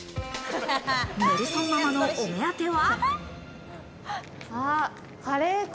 ネルソンママのお目当ては。